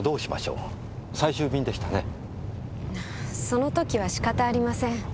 その時は仕方ありません。